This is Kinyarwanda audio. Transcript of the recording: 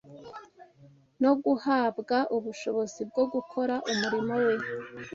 no guhabwa ubushobozi bwo gukora umurimo We